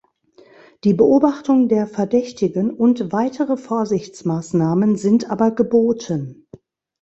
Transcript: Die Beobachtung der Verdächtigen und weitere Vorsichtsmaßnahmen sind aber geboten.